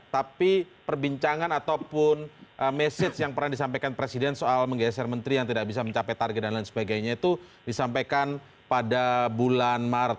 tapi perbincangan ataupun message yang pernah disampaikan presiden soal menggeser menteri yang tidak bisa mencapai target dan lain sebagainya itu disampaikan pada bulan maret